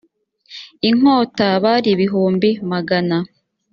inkota bari ibihumbi magana